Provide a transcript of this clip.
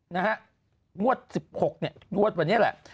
โน้ตสิบหกนี่โน้ตวันนี้แหละ